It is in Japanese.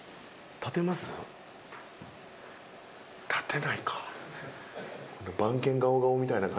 立てないか。